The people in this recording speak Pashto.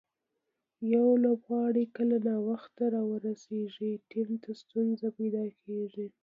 یو لوبغاړی کله ناوخته راورسېږي، ټیم ته ستونزه پېدا کیږي.